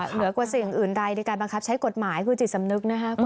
เหนือกว่าสิ่งอื่นใดในการบังคับใช้กฎหมายคือจิตสำนึกนะครับ